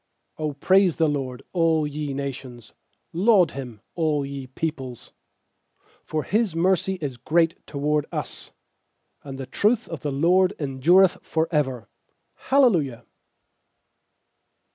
1 1 *7 0 praise the LORD, all ye nations; Laud Him, all ye peoples. 2 For His mercy is great toward us; And the truth of the LORD en dureth for ever. Hallelujah.